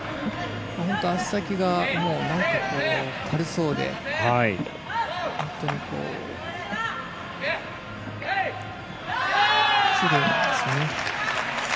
足先が軽そうで本当にきれいなんですよね。